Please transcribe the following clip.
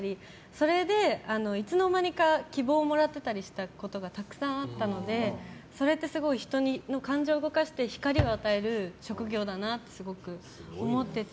それでいつの間にか希望をもらっていたりしたことがたくさんあったので、それってすごい人の感情を動かして光を与える職業だなとすごく思っていて。